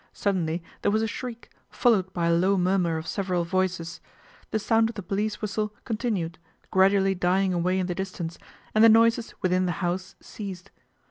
Suddenly there was a shriek, followed by a low murmur of several voices. The sound of the police whistle con tinued, gradually dying away in the distance, and the noises within the house ceased.